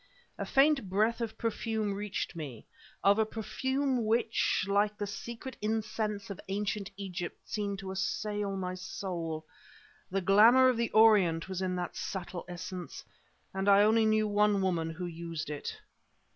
A faint breath of perfume reached me of a perfume which, like the secret incense of Ancient Egypt, seemed to assail my soul. The glamour of the Orient was in that subtle essence; and I only knew one woman who used it.